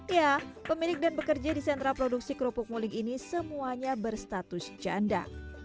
ya pemilik dan bekerja di sentra produksi kerupuk muling ini semuanya berstatus janda